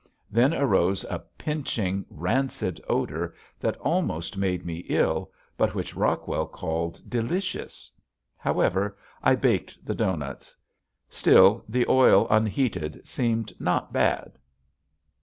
Then arose a pinching, rancid odor that almost made me ill but which Rockwell called delicious. However I baked the doughnuts. Still, the oil unheated seemed not bad.